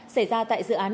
xảy ra tại dự án